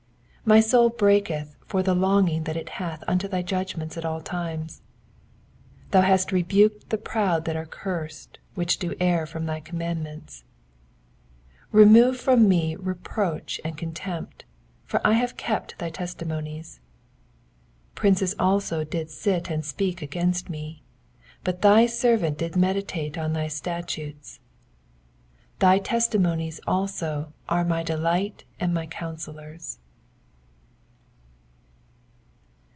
20 My soul breaketh for the longing that it hath unto thy judgments at all times. 21 Thou hast rebuked the proud that are cursed, which do err from thy commandments. 22 Remove from me reproach and contempt ; for I have kept thy testimonies. 23 Princes also did sit and speak against me : but thy servant did meditate in thy statutes. 24 Thy testimonies also are my delight and my counsellors.